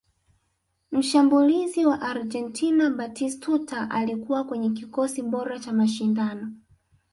mshambulizi wa argentina batistuta alikuwa kwenye kikosi bora cha mashindano